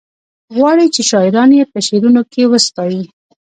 غواړي چې شاعران یې په شعرونو کې وستايي.